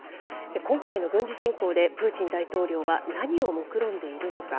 今回の軍事侵攻でプーチン大統領は何をもくろんでいるのか。